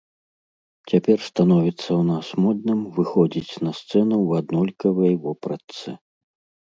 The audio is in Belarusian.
Цяпер становіцца ў нас модным выходзіць на сцэну ў аднолькавай вопратцы.